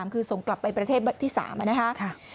คือส่งกลับไปประเทศที่๓นะครับ